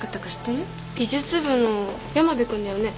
美術部の山辺君だよね？